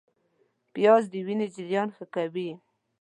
پیاز د وینې جریان ښه کوي